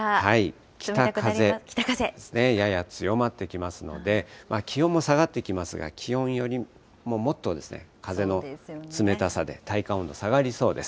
北風ですね、やや強まってきますので、気温も下がってきますが、気温よりももっと風の冷たさで、体感温度下がりそうです。